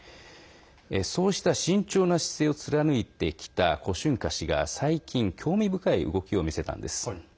そうした慎重な姿勢を貫いてきた胡春華氏が最近興味深い動きを見せたんです。